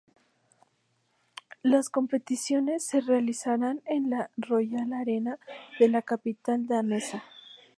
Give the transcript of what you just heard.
Las competiciones se realizarán en la Royal Arena de la capital danesa.